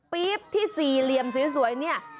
ปี๊บที่สี่เหลี่ยมสวยเนี่ย